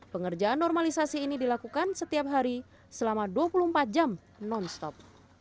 pengerjaan normalisasi ini dilakukan setiap hari selama dua puluh empat jam non stop